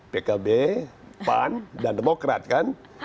pkb pan dan demokrat kan